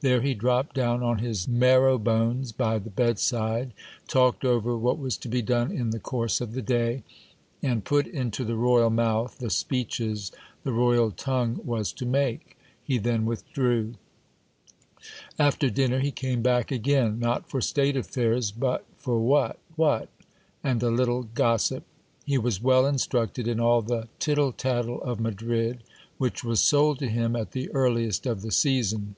There he dropped down on his marrow bones by the bed side, talked over what was to be done in the course of the day, and put into the royal mouth the speeches the royal tongue was to make. He then withdrew. After dinner he came back again ; not for state affairs, but for what, what? and a little gossip. He was well instructed in all the titde tattle of Madrid, which was sold to him at the earliest of the season.